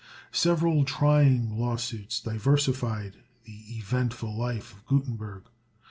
Several trying lawsuits diversified the eventful life of Gutenberg.